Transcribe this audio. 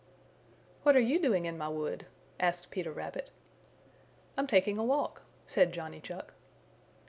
"What are you doing in my wood?" asked Peter Rabbit. "I'm taking a walk," said Johnny Chuck.